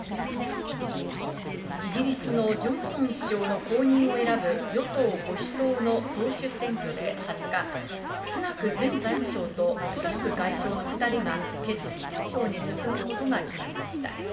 イギリスのジョンソン首相の後任を選ぶ与党保守党の党首選挙で２０日、スナク前財務相とトラス外相の２人が決戦投票に進むことが決まりました。